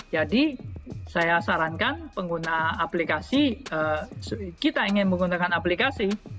jadi saya sarankan pengguna aplikasi kita ingin menggunakan aplikasi